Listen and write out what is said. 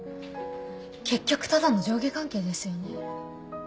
結局ただの上下関係ですよね？